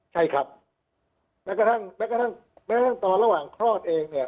ใช่ครับแม้กระทั่งตอนระหว่างครอดเองเนี่ย